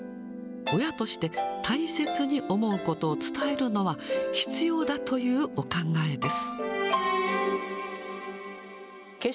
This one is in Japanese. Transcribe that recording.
親として、大切に思うことを伝えるのは、必要だというお考えです。